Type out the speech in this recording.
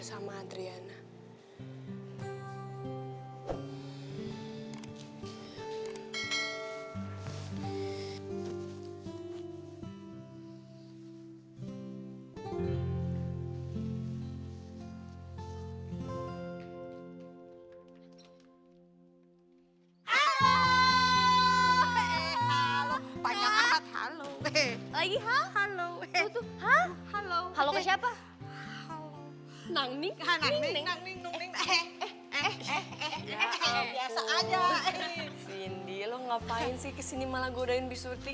sindi lo ngapain sih kesini malah godain bi surty